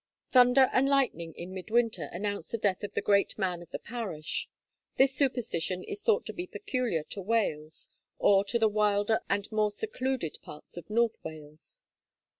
Thunder and lightning in mid winter announce the death of the great man of the parish. This superstition is thought to be peculiar to Wales, or to the wilder and more secluded parts of North Wales.